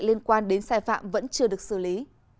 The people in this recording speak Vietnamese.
liên quan đến sai phạm vẫn chưa được xử lý